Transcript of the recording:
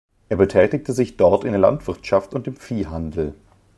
Er betätigte sich dort in der Landwirtschaft und im Viehhandel.